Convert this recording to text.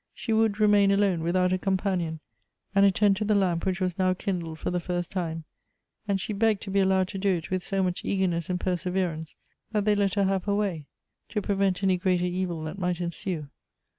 She would remain alone without a companion, and attend to the lamp which was now kindled for the first time ; and she begged to be allowed to do it with so much eagerness and perseverance, that they let her have lier way, to prevent any greater evil that might ensue.